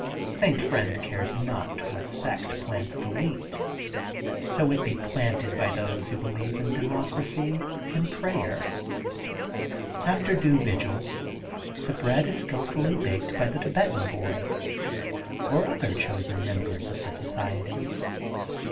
St. Friend cares not what sect plants the wheat, so it be planted by those who believe in de mocracy and prayer. After due vigil, the bread is skilfully baked by the Thibetan boy, or other chosen members THE GOLDEN BOOK OF SPRINGFIELD 177 of the society.